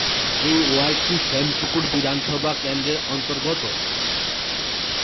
এই ওয়ার্ডটি শ্যামপুকুর বিধানসভা কেন্দ্রের অন্তর্গত।